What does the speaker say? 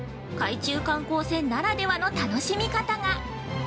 海中観光船ならではの楽しみ方が。